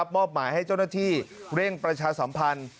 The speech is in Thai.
มอบหมายให้เจ้าหน้าที่เร่งประชาสัมพันธ์